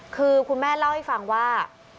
คือคุณแม่เล่าให้ฟังว่า